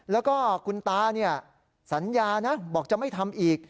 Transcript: แล้วก็คุณตาเนี่ยสัญญานะบอกจะไม่ทำอีก